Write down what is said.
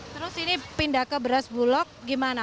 terus ini pindah ke beras bulog gimana